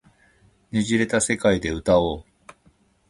捻れた世界で歌おう